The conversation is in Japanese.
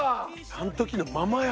あの時のままや！